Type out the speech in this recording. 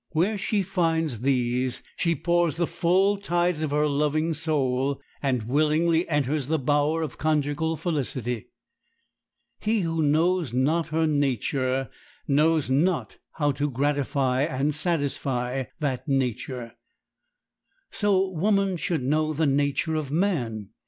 Where she finds these she pours the full tides of her loving soul, and willingly enters the bower of conjugal felicity. He who knows not her nature knows not how to gratify and satisfy that nature. So woman should know the nature of man.